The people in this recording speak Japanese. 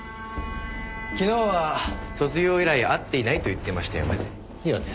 昨日は卒業以来会っていないと言ってましたよね。